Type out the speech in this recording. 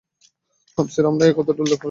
তাফসীরে আমরা এ কথাটি উল্লেখ করেছি।